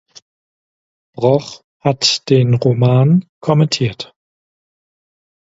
Broch hat den Roman kommentiert.